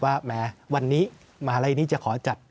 แหมวันนี้มหาลัยนี้จะขอจัด